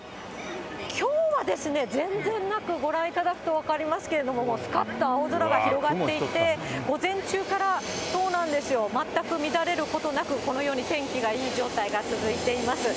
きょうはですね、全然なく、ご覧いただくと分かりますけれども、もうすかっと青空が広がっていて、午前中から、全く乱れることなく、このように天気がいい状態が続いています。